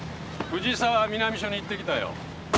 藤沢南署に行ってきたよ